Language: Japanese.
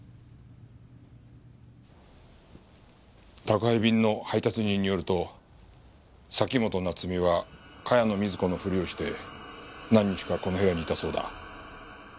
宅配便の配達人によると崎本菜津美は茅野瑞子のふりをして何日かこの部屋にいたそうだ。